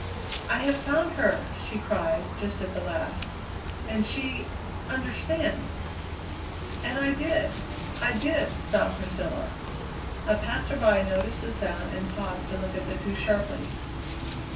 "'I have found her!' she cried just at the last, 'and she understands!'" "And I did, I did!" sobbed Priscilla. A passerby noticed the sound and paused to look at the two sharply.